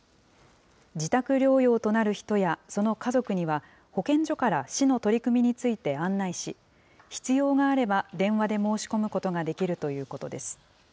自宅療養となる人や、その家族には、保健所から市の取り組みについて案内し、必要があれば電話で申し込むことができるということです。